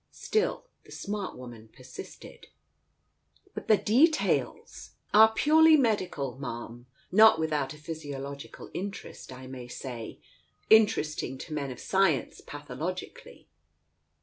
Still the smart woman persisted. "But the details ?" "Are purely medical, Ma'am. Not without a physio logical interest, I may say. Interesting to men of science, pathologically.